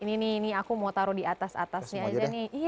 ini nih aku mau taruh di atas atasnya aja nih